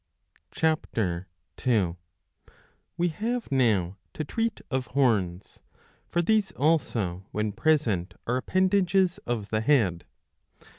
^^ (Ch. 2.) We have now to treat of horns ; for these also, when present, are appendages of the head.